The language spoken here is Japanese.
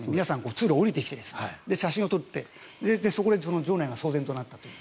通路に降りてきて写真を撮ってそこで場内が騒然となったという。